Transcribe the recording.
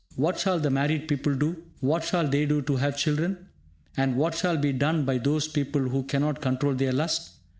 What shall the married people do? What shall they do who have children? And what shall be done by those people who cannot control their lust?